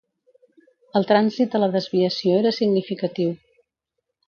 El trànsit a la desviació era significatiu.